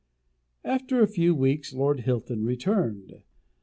After a few weeks Lord Hilton returned.